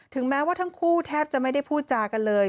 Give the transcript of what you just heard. แม้ว่าทั้งคู่แทบจะไม่ได้พูดจากันเลย